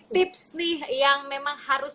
tips nih yang memang harus